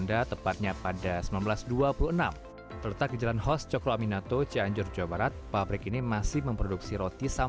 dan tungku pembakaran ini misalnya